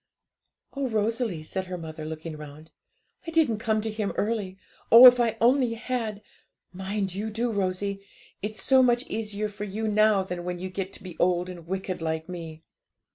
'Oh, Rosalie,' said her mother, looking round, 'I didn't come to Him early oh, if I only had! Mind you do, Rosie; it's so much easier for you now than when you get to be old and wicked like me.'